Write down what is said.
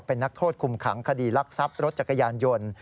เป็นนักโทษคุมขังคดีรักทรัพย์รถจักรยานยนต์